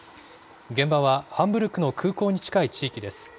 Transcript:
現場はハンブルクの空港に近い地域です。